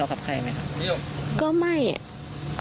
ก็ไม่พ่อเป็นคนดี